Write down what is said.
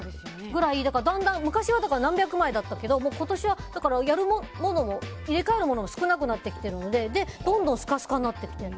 だんだん昔は何百枚だったけど今年は入れ替えるものも少なくなってきてるのでどんどんスカスカになってきてる。